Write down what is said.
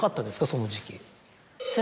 その時期。